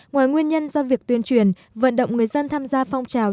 ngoài nguyên nhân do việc tuyên truyền vận động người dân tham gia phong trào